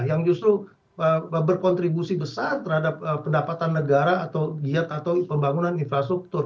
yang justru berkontribusi besar terhadap pendapatan negara atau giat atau pembangunan infrastruktur